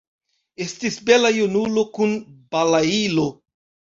Estis bela junulo kun balailo.